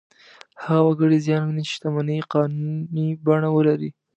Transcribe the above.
هغه وګړي زیان ویني چې شتمنۍ یې قانوني بڼه ولري.